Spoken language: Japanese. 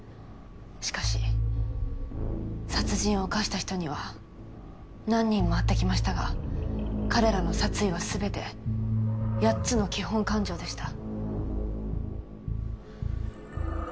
しかし殺人を犯した人には何人も会ってきましたが彼らの殺意は全て８つの基本感情でした。